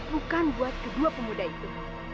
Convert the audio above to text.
bukan buat kedua pemuda itu